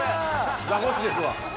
ザコシですわ。